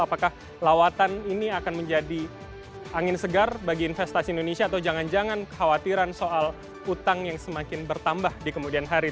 apakah lawatan ini akan menjadi angin segar bagi investasi indonesia atau jangan jangan khawatiran soal utang yang semakin bertambah di kemudian hari